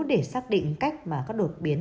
để xác định cách mà các đột biến